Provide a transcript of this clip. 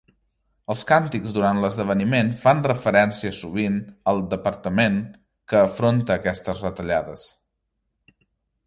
Els càntics durant l'esdeveniment fan referència sovint al departament que afronta aquestes retallades.